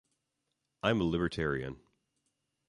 I'm a libertarian.